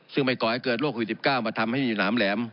ซึ่งไม่ก่อให้เกิดโรคโควิด๑๙มาทำให้มีหลามแหลม